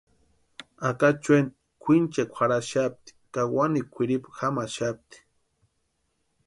Acachueni kwʼinchekwa jarhaxapti ka wanikwa kwʼiripu jamaxapti.